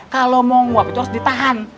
kalau mau nguap itu harus ditahan